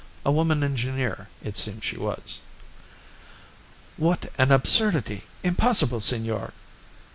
A woman engineer, it seemed she was. "What an absurdity! Impossible, senor!"